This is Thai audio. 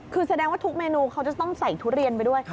คือแสดงว่าทุกเมนูเขาจะต้องใส่ทุเรียนไปด้วย